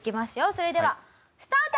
それではスタート！